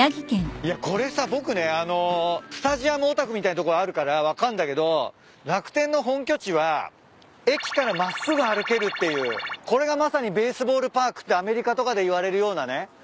いやこれさ僕ねスタジアムオタクみたいなところあるから分かんだけど楽天の本拠地は駅から真っすぐ歩けるっていうこれがまさにベースボールパークってアメリカとかで言われるようなね。